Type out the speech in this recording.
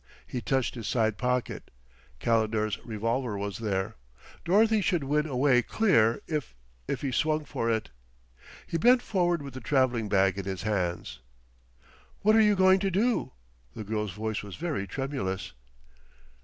He touched his side pocket; Calendar's revolver was still there.... Dorothy should win away clear, if if he swung for it. He bent forward with the traveling bag in his hands. "What are you going to do?" The girl's voice was very tremulous.